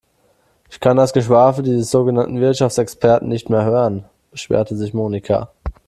Ich kann das Geschwafel dieses sogenannten Wirtschaftsexperten nicht mehr hören, beschwerte sich Monika.